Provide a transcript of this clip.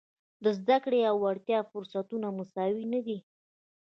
د زده کړې او وړتیاوو فرصتونه مساوي نه دي.